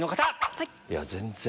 はい！